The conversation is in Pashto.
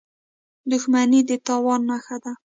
• دښمني د تاوان نښه ده.